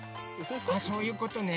あそういうことね。